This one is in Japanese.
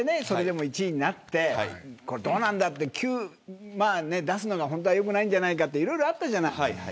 それでも１位になってこれどうなんだって出すのが本当はよくないんじゃないかっていろいろあったじゃない。